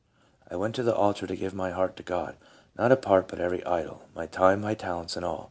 I went to the altar to give my heart to God, not a part, but every idol, my time, my talents, and all.